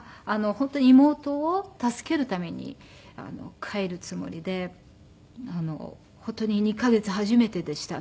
本当に妹を助けるために帰るつもりで本当に２カ月初めてでしたね。